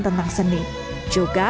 pertanyaan dari penulis